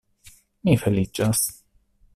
Mi feliĉas.